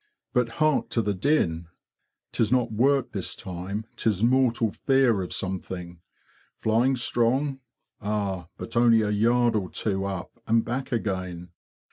'' But hark to the din! 'Tis not work this time; 'tis mortal fear of some thing. Flying strong? Ah, but only a yard or two up, and back again.